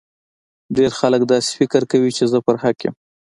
ډیر خلګ داسي فکر کوي چي زه پر حق یم